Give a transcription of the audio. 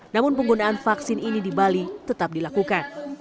namun penggunaan vaksin ini di bali tetap dilakukan